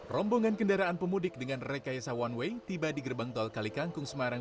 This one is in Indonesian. rombongan kendaraan pemudik dengan rekayasa one way tiba di gerbang tol kalikangkung semarang